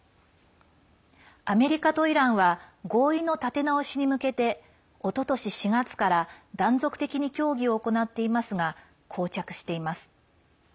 アメリカとイランは合意の立て直しに向けておととし４月から断続的に協議を行っていますがこう着しています。